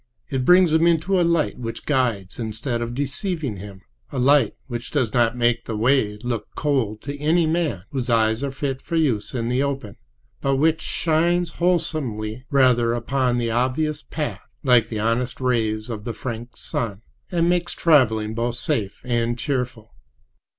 It brings him into a light which guides instead of deceiving him; a light which does not make the way look cold to any man whose eyes are fit for use in the open, but which shines wholesomely, rather upon the obvious path, like the honest rays of the frank sun, and makes traveling both safe and cheerful.